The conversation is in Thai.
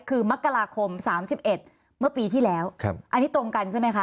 คือมกราคม๓๑เมื่อปีที่แล้วอันนี้ตรงกันใช่ไหมคะ